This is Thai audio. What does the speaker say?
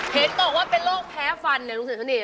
เห็นตกว่าเป็นโรคแพ้ฟันเนี่ยลุงสิงษเดระเนี่ย